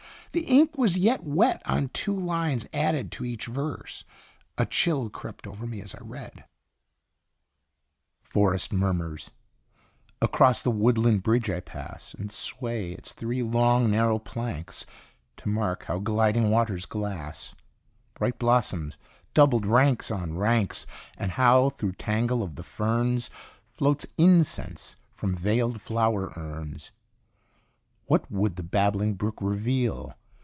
The ink was yet wet on two lines added to each verse. A chill crept over me as I read : FOREST MURMURS. Across the woodland bridge I pass, And sway its three long, narrow planks, To mark how gliding waters glass Bright blossoms doubled ranks on ranks ; And how through tangle of the ferns Floats incense from veiled flower urns, What would the babbling brook reveal?